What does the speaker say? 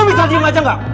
lo bisa diem aja nggak